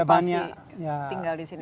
pasti tinggal di sini